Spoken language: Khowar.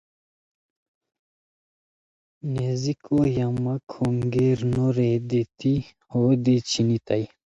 نیزیکو یہ مہ کھونگیر نو رے دیتی ہو دی چھینتائے